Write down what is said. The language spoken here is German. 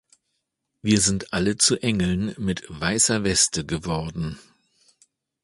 Wir sind alle zu Engeln mit weißer Weste geworden.